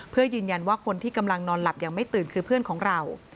เพื่อยืนยันว่าคนที่กำลังนอนหลับยังไม่ตื่นคือเพื่อนของเรา